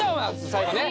最後ね！